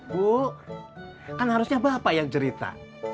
bu kan harusnya bapak yang cerita